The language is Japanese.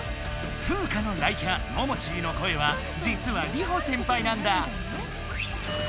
フウカの雷キャモモチーの声はじつはリホ先輩なんだ。